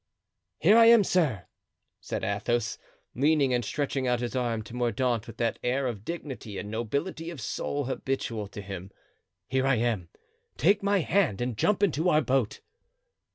"Here I am, sir!" said Athos, leaning and stretching out his arm to Mordaunt with that air of dignity and nobility of soul habitual to him; "here I am, take my hand and jump into our boat."